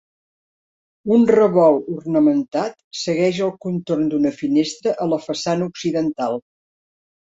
Un revolt ornamentat segueix el contorn d'una finestra a la façana occidental.